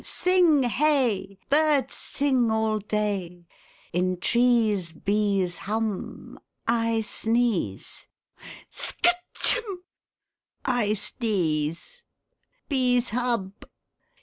Sing hey! Birds sing All day. In trees Bees hum I sneeze Skatch Humb!! I sdeeze. Bees hub.